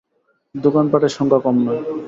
দোকানটাটের সংখ্যা কম নয়।